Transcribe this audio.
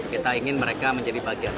kita ingin mereka menjadi bagian